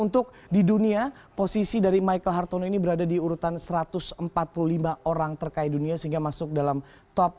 untuk di dunia posisi dari michael hartono ini berada di urutan satu ratus empat puluh lima orang terkaya dunia sehingga masuk dalam top sepuluh